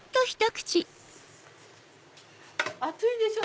熱いでしょ！